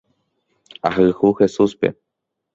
Ahayhu Jesúspe.